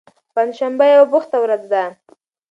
پنجشنبه یوه بوخته ورځ ده.